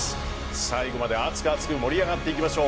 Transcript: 最後まで熱く熱く盛り上がっていきましょう。